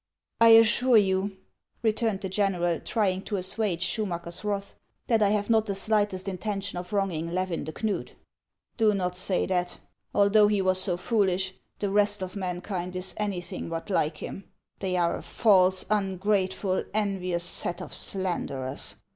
" I assure you," returned the general, trying to as suage Schumacker's wrath, " that I have not the slightest intention of wronging Levin de Knud." " Do not say that. Although he was so foolish, the rest of mankind is anything but like him. They are a false, ungrateful, envious set of slanderers.